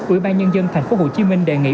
ubnd thành phố hồ chí minh đề nghị